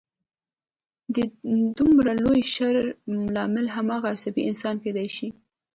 د دومره لوی شر لامل هماغه عصبي انسان کېدای شي